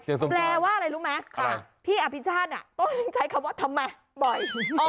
แปลว่าอะไรรู้ไหมพี่อภิชาติต้องใช้คำว่าทำไมบ่อย